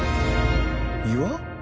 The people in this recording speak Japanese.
岩？